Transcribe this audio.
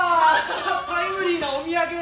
タイムリーなお土産！